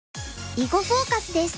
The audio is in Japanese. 「囲碁フォーカス」です。